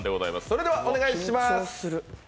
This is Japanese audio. それではお願いします。